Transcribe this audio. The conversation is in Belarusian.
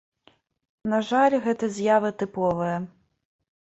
На жаль, гэта з'ява тыповая.